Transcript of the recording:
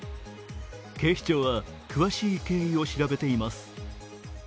警視庁は詳しい経緯を調べています。